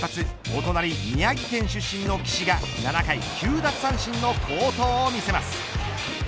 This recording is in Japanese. お隣、宮城県出身の岸が７回９奪三振の好投を見せます。